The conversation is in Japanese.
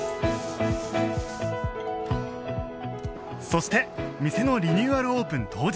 そして店のリニューアルオープン当日